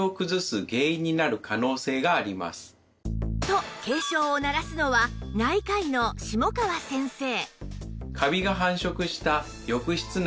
と警鐘を鳴らすのは内科医の下川先生